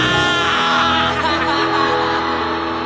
アハハハハ。